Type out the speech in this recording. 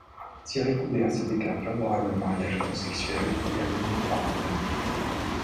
Thierry Coudert se déclare favorable au mariage homosexuel et à l'homoparentalité.